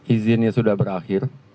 izinnya sudah berakhir